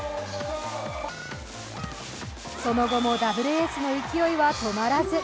その後もダブルエースの勢いは止まらず。